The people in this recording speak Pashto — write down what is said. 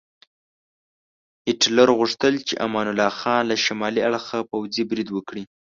هیټلر غوښتل چې امان الله خان له شمالي اړخه پوځي برید وکړي.